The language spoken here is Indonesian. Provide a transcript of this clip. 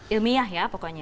ilmiah ya pokoknya